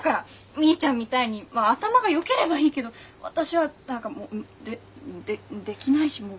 みーちゃんみたいにまあ頭がよければいいけど私は何かもうででできないしもう。